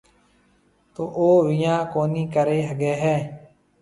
تو او ويهان ڪونِي ڪريَ هگھيََََ هيَ۔